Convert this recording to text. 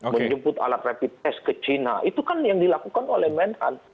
menjemput alat rapid test ke china itu kan yang dilakukan oleh menhan